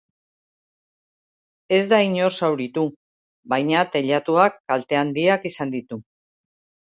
Ez da inor zauritu, baina teilatuak kalte handiak izan ditu.